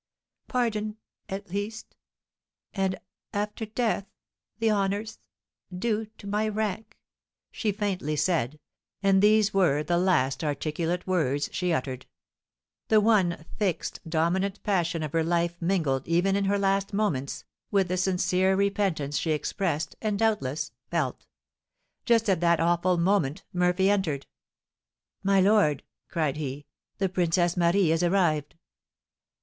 Pardon at least! And after death the honours due to my rank " she faintly said, and these were the last articulate words she uttered, the one, fixed, dominant passion of her life mingled, even in her last moments, with the sincere repentance she expressed and, doubtless, felt. Just at that awful moment Murphy entered. "My lord," cried he, "the Princess Marie is arrived!"